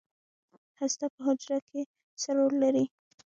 هسته په حجره کې څه رول لري؟